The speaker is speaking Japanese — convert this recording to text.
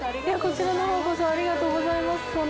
ありがとうございます。